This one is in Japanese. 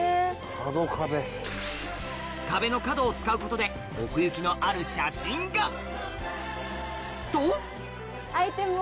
壁の角を使うことで奥行きのある写真が！とアイテムを！